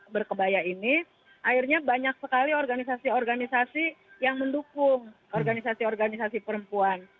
berkebaya ini akhirnya banyak sekali organisasi organisasi yang mendukung organisasi organisasi perempuan